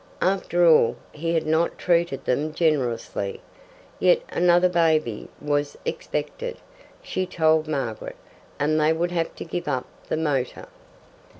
After all, he had not treated them generously. Yet another baby was expected, she told Margaret, and they would have to give up the motor.